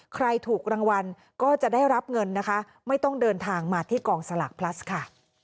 ใครถูกรางวัลก็จะได้รับเงินนะคะไม่ต้องเดินทางมาที่กองสลากพลัสค่ะ